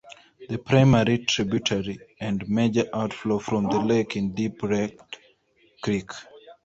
The primary tributary and major outflow from the lake is Deep Red Creek.